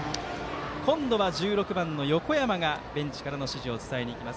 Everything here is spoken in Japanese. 今度は１６番の横山がベンチからの指示を伝えにいきます。